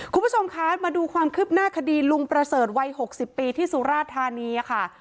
คุณผู้ชมคะมาดูความคืบหน้าคดีลุงประเสริฐวัย๖๐ปีที่สุราธานีค่ะ